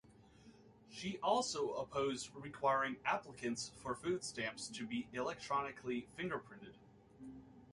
She also opposed requiring applicants for food stamps to be electronically fingerprinted.